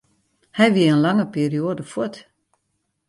Hy wie in lange perioade fuort.